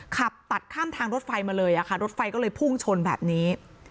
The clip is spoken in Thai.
ขับตัดข้ามทางรถไฟมาเลยค่ะรถไฟก็เลยพุ่งชนแบบนี้